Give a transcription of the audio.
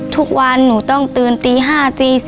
ทุกวันหนูต้องตื่นตี๕ตี๔